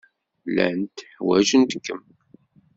Llant ḥwajent-kem.